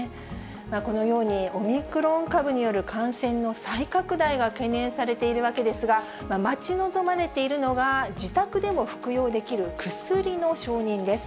このように、オミクロン株による感染の再拡大が懸念されているわけですが、待ち望まれているのが、自宅でも服用できる薬の承認です。